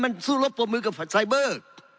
มันสู้รบปรบมือกับไซเบอร์